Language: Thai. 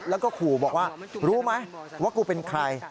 แล้วก็ขู่บอกว่ารู้ไหมว่ากูเป็นใคร